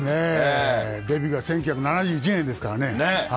デビューが１９７１年ですからね。